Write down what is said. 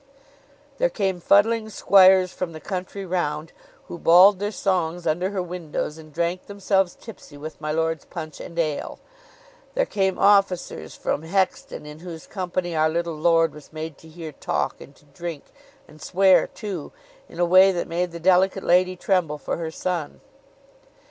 There came fuddling squires from the country round, who bawled their songs under her windows and drank themselves tipsy with my lord's punch and ale: there came officers from Hexton, in whose company our little lord was made to hear talk and to drink, and swear too, in a way that made the delicate lady tremble for her son.